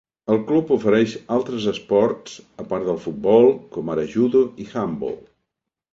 El club ofereix altres esports a part del futbol, com ara judo i handbol.